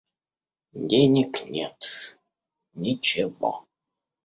Денег нет ничего.